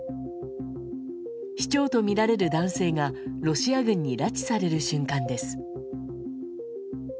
市長とみられる男性がロシア軍に拉致される瞬間です。